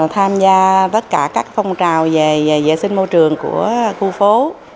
tham gia tất cả các phong trào về vệ sinh môi trường của khu phố